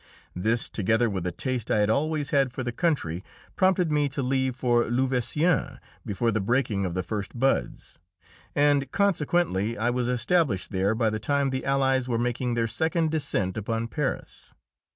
This, together with a taste I had always had for the country, prompted me to leave for Louveciennes before the breaking of the first buds, and consequently I was established there by the time the allies were making their second descent upon Paris.